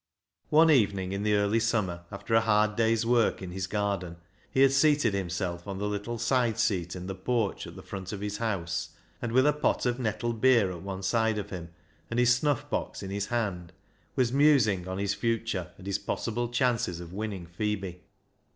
One evening in the early summer, after a hard day's work in his garden, he had seated himself on the little side seat in the porch at the front of his house, and with a pot of nettle beer at one side of him and his snuff box in his hand was musing on his future, and his possible chances of winning Phebe.